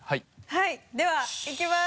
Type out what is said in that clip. はいではいきます。